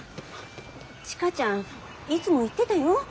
千佳ちゃんいつも言ってたよ。